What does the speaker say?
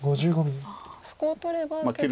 そこを取れば結構。